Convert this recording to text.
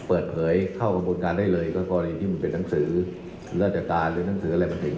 ราชการหรือนังสืออะไรมันถึง